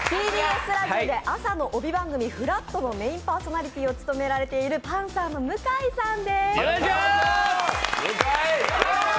ＴＢＳラジオで朝の帯番組「＃ふらっと」のメインパーソナリティーを務められているパンサーの向井さんです。